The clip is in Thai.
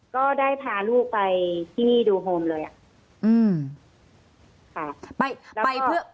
ก็ได้พาลูกไปที่ดูโฮมเลย